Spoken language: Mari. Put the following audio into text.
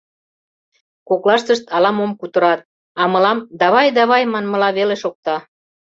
Коклаштышт ала-мом кутырат, а мылам «давай, давай!» манмыла веле шокта.